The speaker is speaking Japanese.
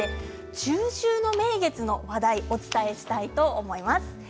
中秋の名月の話題をお伝えしたいと思います。